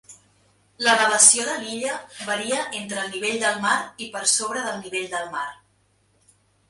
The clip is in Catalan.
L'elevació de l'illa varia entre el nivell del mar i per sobre del nivell del mar.